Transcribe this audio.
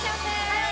はい！